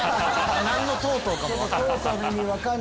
何の「とうとう」かもわからん。